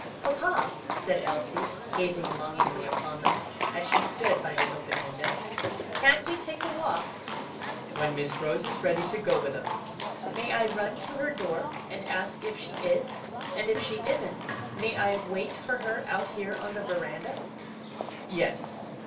"Papa," said Elsie, gazing longingly upon them, as she stood by the open window, "can't we take a walk?" "When Miss Rose is ready to go with us." "May I run to her door and ask if she is? and if she isn't, may I wait for her out here on the veranda?" "Yes."